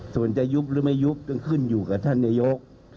ส่วนจะยุบหรือไม่ยุบก็ขึ้นอยู่กับท่านนายก